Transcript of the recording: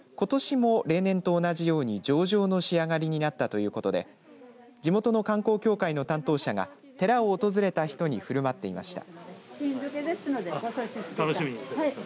ことしも例年と同じように上々の仕上がりになったということで地元の観光協会の担当者が寺を訪れた人にふるまっていました。